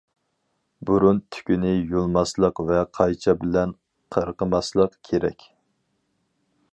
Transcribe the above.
بۇرۇن تۈكىنى يۇلماسلىق ۋە قايچا بىلەن قىرقىماسلىق كېرەك.